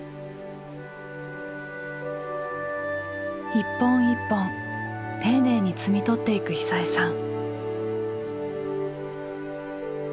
一本一本丁寧に摘み取っていく久枝さん。